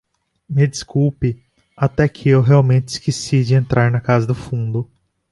Me desculpe, até que eu realmente esqueci de entrar na casa no fundo.